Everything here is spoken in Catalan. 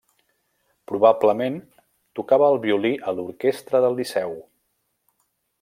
Probablement tocava el violí a l'Orquestra del Liceu.